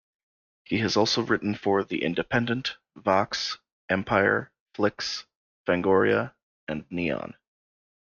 He has also written for "The Independent", "Vox", "Empire", "Flicks", "Fangoria" and "Neon".